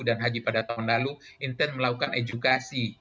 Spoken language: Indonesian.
dan haji pada tahun lalu intens melakukan edukasi